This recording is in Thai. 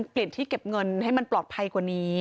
เปลี่ยนที่เก็บเงินให้มันปลอดภัยกว่านี้